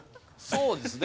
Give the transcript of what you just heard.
そうですね。